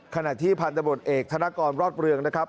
ขณะที่พันธบทเอกธนกรรอดเรืองนะครับ